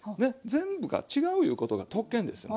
全部が違ういうことが特権ですよ。